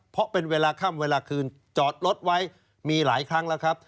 เพราะเป็นเวลาค่ำเวลาคืนจอดรถไว้มีหลายครั้งแล้วครับ